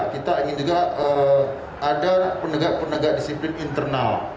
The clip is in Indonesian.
kita ingin juga ada penegak penegak disiplin internal